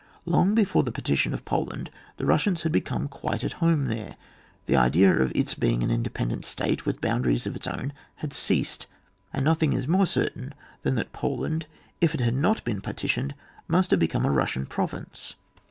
Long before the partition of Poland the Bussians had become quite at home there, the idea of its being an independent state, with boundaries of its own, had ceased, and nothing is more certain than that Poland, if it had not been partitioned, must have become a Bussian province.